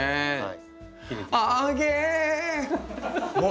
はい。